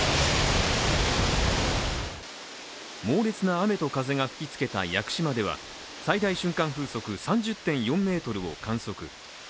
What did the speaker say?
猛烈な雨と風が吹き付けた屋久島では最大瞬間風速３０．４メートルを観測。